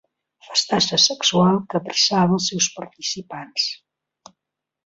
Festassa sexual que apressava els seus participants.